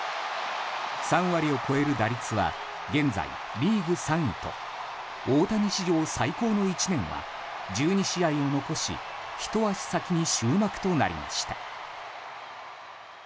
３割を超える打率は現在リーグ３位と大谷史上最高の１年は１２試合を残しひと足先に終幕となりました。